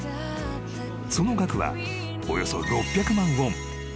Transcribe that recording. ［その額はおよそ６００万ウォン］